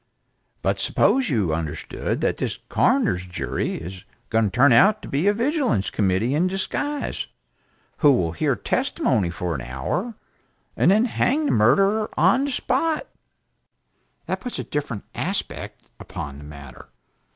But suppose you understand that this coroner's jury is going to turn out to be a vigilance committee in disguise, who will hear testimony for an hour and then hang the murderer on the spot? That puts a different aspect upon the matter.